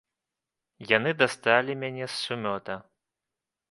Яны дасталі мяне з сумёта.